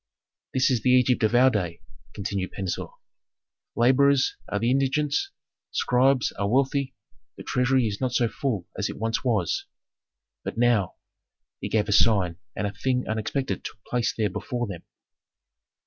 "This is the Egypt of our day," continued Pentuer. "Laborers are in indigence, scribes are wealthy, the treasury is not so full as it once was. But now " He gave a sign, and a thing unexpected took place there before them.